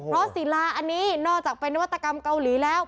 เพราะศิลาอันนี้นอกจากเป็นนวัตกรรมเกาหลีแล้ว